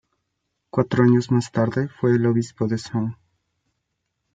Cuatro años más tarde fue el Obispo de St.